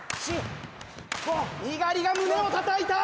猪狩が胸をたたいた！